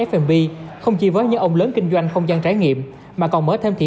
công ty không chỉ với những ông lớn kinh doanh không gian trải nghiệm mà còn mới thêm thị